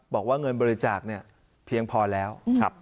บอกว่าเงินบริจาคเนี่ยเพียงพอแล้ว